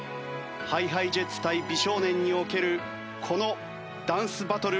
ＨｉＨｉＪｅｔｓ対美少年におけるこのダンスバトル。